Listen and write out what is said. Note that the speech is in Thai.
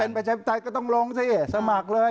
ถ้าเป็นประชาติปไตรก็ต้องลงสมัครเลย